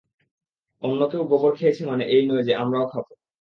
অন্যকেউ গোবর খেয়েছে মানে এই নয় যে আমরাও খাবো।